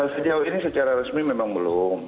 sejauh ini secara resmi memang belum